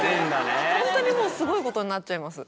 本当にもうすごいことになっちゃいます。